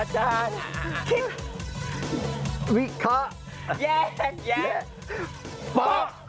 มาวันพ่อโป่